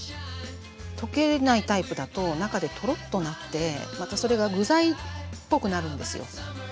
溶けないタイプだと中でトロッとなってまたそれが具材っぽくなるんですよ。